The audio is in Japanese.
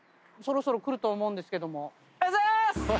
「そろそろ来ると思うんですけども」